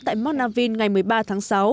tại montavine ngày một mươi ba tháng sáu